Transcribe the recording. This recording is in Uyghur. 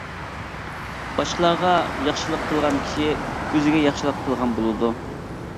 باشقىلارغا ياخشىلىق قىلغان كىشى ئۆزىگە ياخشىلىق قىلغان بولىدۇ.